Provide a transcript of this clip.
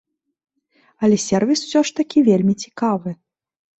Але сервіс усё ж такі вельмі цікавы.